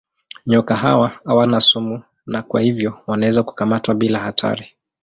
Nyoka hawa hawana sumu na kwa hivyo wanaweza kukamatwa bila hatari.